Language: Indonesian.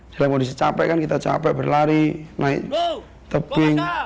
dalam kondisi capek kan kita capek berlari naik tebing